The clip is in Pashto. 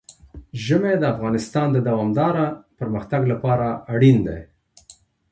ژمی د افغانستان د دوامداره پرمختګ لپاره اړین دي.